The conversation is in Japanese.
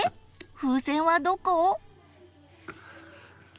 風船はどこ？